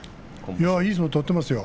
いい相撲を取っていますよ。